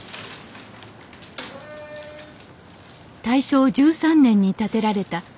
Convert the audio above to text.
大正１３年に建てられた